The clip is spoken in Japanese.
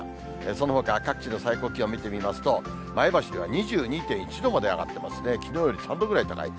そのほか、各地の最高気温見てみますと、前橋が２２．１度まで上がってますね、きのうより３度ぐらい高い。